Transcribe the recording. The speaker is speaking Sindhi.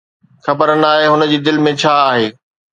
خبر ناهي، هن جي دل ۾ ڇا آهي؟